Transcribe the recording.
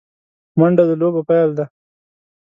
منډه د لوبو پیل دی